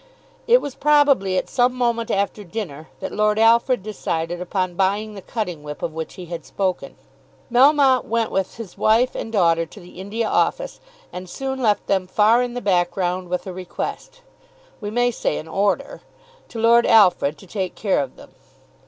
It was probably at some moment after dinner that Lord Alfred decided upon buying the cutting whip of which he had spoken. Melmotte went with his wife and daughter to the India Office, and soon left them far in the background with a request, we may say an order, to Lord Alfred to take care of them.